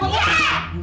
gue masih rame nek